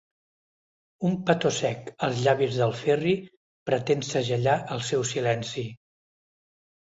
Un petó sec als llavis del Ferri pretén segellar el seu silenci.